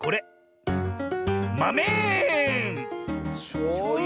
しょうゆ？